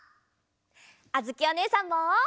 あづきおねえさんも！